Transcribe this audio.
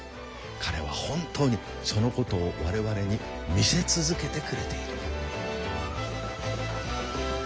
彼は本当にそのことを我々に見せ続けてくれている。